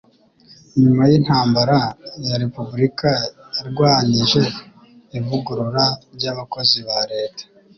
nyuma y'intambara ya republika yarwanyije ivugurura ry'abakozi ba leta